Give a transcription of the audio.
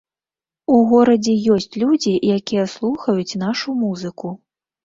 У горадзе ёсць людзі, якія слухаюць нашу музыку.